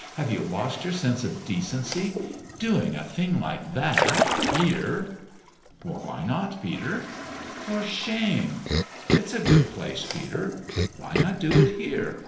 " Have you lost your sense of decency ? Doing a thing like that here !" "Why not, Peter?" " For shame !"" It's a good place, Peter. Why not do it here